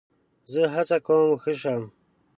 زه هڅه کوم ښه شم.